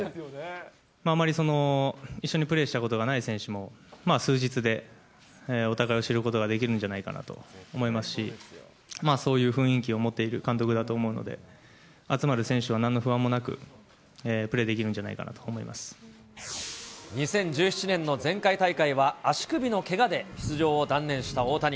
あまり一緒にプレーしたことがない選手も、数日でお互いを知ることができるんじゃないかと思いますし、そういう雰囲気を持っている監督だと思うので、集まる選手はなんの不安もなく、プレーできるんじゃないかなと思２０１７年の前回大会は足首のけがで出場を断念した大谷。